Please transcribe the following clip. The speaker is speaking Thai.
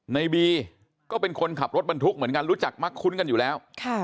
ในบีก็เป็นคนขับรถบรรทุกเหมือนกันรู้จักมักคุ้นกันอยู่แล้ว